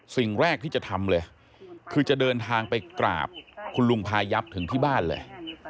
สิ่งแรกที่จะทำเลยคือจะเดินทางไปกราบคุณลุงพายับถึงที่บ้านเลย